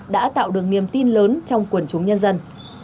đã tạo được niềm tin lớn trong quần chúng nhân dân